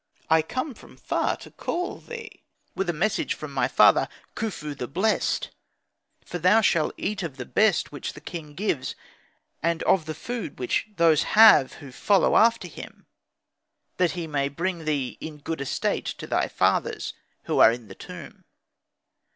I come from far to call thee, with a message from my father Khufu, the blessed, for thou shalt eat of the best which the king gives, and of the food which those have who follow after him; that he may bring thee in good estate to thy fathers who are in the tomb."